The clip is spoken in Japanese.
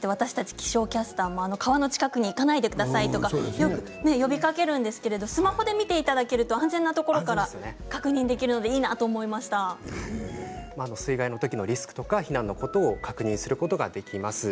気象キャスターも川の近くに行かないでくださいと呼びかけるんですがスマホで見ていただけると安全なところから確認できるので水害の時のリスクや避難のことを確認することができます。